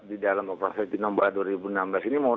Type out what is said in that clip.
di dalam operasi tinombala dua ribu enam belas ini